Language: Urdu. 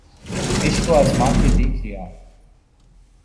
عشق کو آزما کے دیکھ لیا